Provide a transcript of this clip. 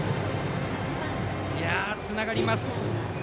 つながります。